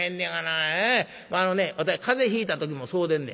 あのねわたい風邪ひいた時もそうでんねん。